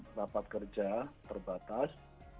dan rapat kerja terbatas